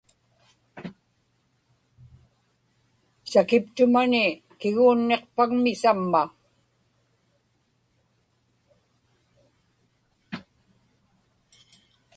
sakiptumani kiguunniqpagmi samma